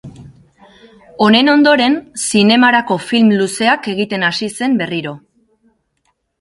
Honen ondoren, zinemarako film luzeak egiten hasi zen berriro.